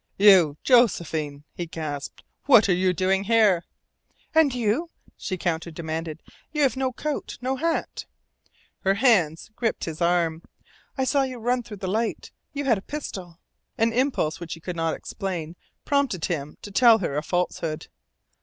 "You, Josephine!" he gasped. "What are you doing here?" "And you?" she counter demanded. "You have no coat, no hat ..." Her hands gripped his arm. "I saw you run through the light. You had a pistol." An impulse which he could not explain prompted him to tell her a falsehood.